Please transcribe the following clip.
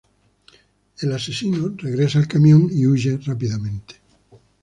El asesino regresa al camión y huye rápidamente.